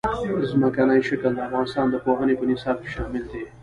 ځمکنی شکل د افغانستان د پوهنې په نصاب کې شامل دي.